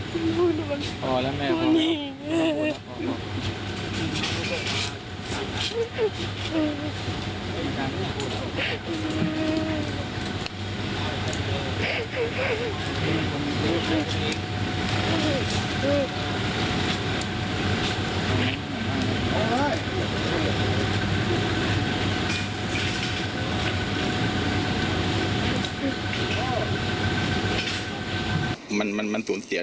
พี่ลูกลงมาตรงนี้